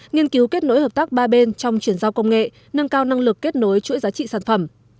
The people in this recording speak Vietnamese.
nghiên cứu kết nối hợp tác ba bên trong chuyển giao công nghệ nâng cao năng lực kết nối chuỗi giá trị sản phẩm